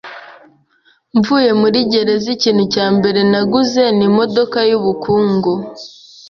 Mvuye muri gereza, ikintu cya mbere naguze ni imodoka yubukungu.